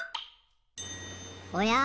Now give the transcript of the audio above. おや？